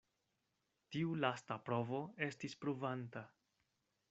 Tiu lasta provo estis pruvanta.